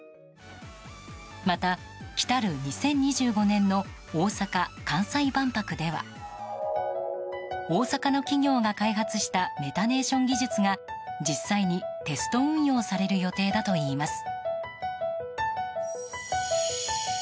また、きたる２０２５年の大阪・関西万博では大阪の企業が開発したメタネーション技術が実際にテスト運用される予定だといいます。